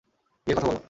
গিয়ে কথা বল।